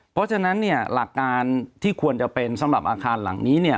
เพราะฉะนั้นหลักการที่ควรจะเป็นสำหรับอาคารหลังนี้